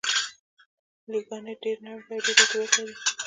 لېګنایټ ډېر نرم دي او ډېر رطوبت لري.